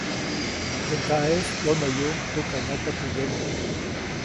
Teʼ ŋgaʼeʼis ʼyonäyuʼuŋ tukanyaka teʼ yomo,.